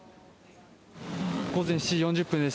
１午前７時４０分です。